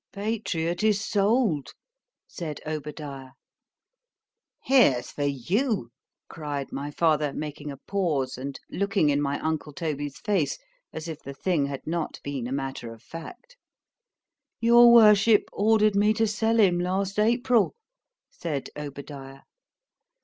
——PATRIOT is sold, said Obadiah. Here's for you! cried my father, making a pause, and looking in my uncle Toby's face, as if the thing had not been a matter of fact.—Your worship ordered me to sell him last April, said _Obadiah.